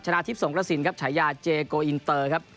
ชนะทิพย์ส่งกระสินฉายาเจโกอินเตอร์